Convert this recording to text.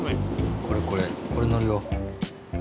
これこれこれのるよ。